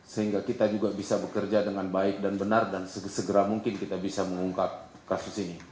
sehingga kita juga bisa bekerja dengan baik dan benar dan segera mungkin kita bisa mengungkap kasus ini